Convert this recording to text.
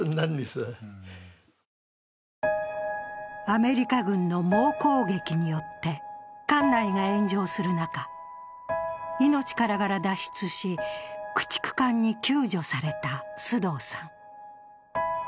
アメリカ軍の猛攻撃によって艦内が炎上する中、命からがら脱出し駆逐艦に救助された須藤さん。